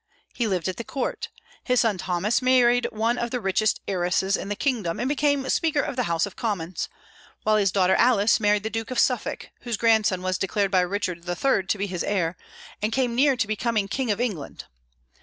He lived at the court. His son Thomas married one of the richest heiresses in the kingdom, and became speaker of the House of Commons; while his daughter Alice married the Duke of Suffolk, whose grandson was declared by Richard III. to be his heir, and came near becoming King of England.